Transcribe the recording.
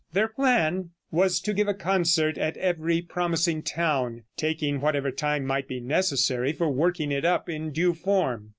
Their plan was to give a concert at every promising town, taking whatever time might be necessary for working it up in due form.